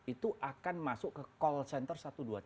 itu akan masuk ke call center satu ratus dua puluh tiga